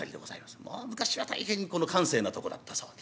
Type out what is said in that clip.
昔は大変閑静なとこだったそうで。